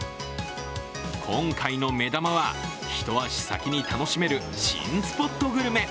今回の目玉は、一足先に楽しめる新スポットグルメ。